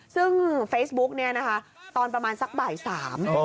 ซึ่งเฟซบุ๊กเนี่ยนะคะตอนประมาณสักบ่ายสาม